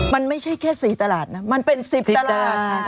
มันไม่ใช่แค่๔ตลาดนะมันเป็น๑๐ตลาด